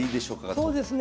そうですね